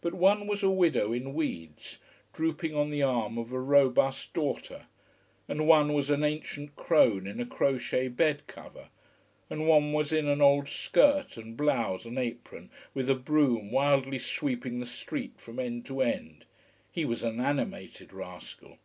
But one was a widow in weeds, drooping on the arm of a robust daughter. And one was an ancient crone in a crochet bed cover. And one was in an old skirt and blouse and apron, with a broom, wildly sweeping the street from end to end. He was an animated rascal.